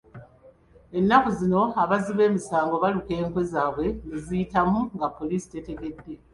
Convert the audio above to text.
Ennaku zino abazzi b'emisango baluka enkwe zaabwe ne ziyitamu nga Poliisi tetegedde.